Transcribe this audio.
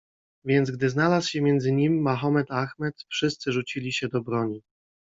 Więc gdy znalazł się między nim Mahommed-Achmed wszyscy rzucili się do broni.